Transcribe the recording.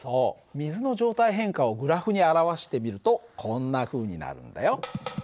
水の状態変化をグラフに表してみるとこんなふうになるんだよ。